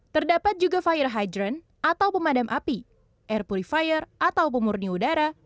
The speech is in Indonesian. terdapat juga fire hydran atau pemadam api air purifier atau pemurni udara